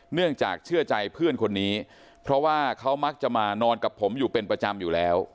เนื่องจากเชื่อใจเพื่อนคนนี้เพราะว่าเขามักจะมานอนกับผมอยู่เป็นประจำอยู่แล้ว